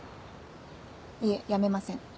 いえ辞めません。